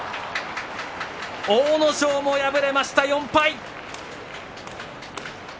阿武咲も敗れました４敗。